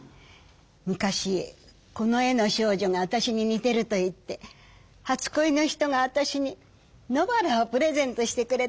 昔この絵の少女があたしに似てるといって初こいの人があたしに野バラをプレゼントしてくれたんです。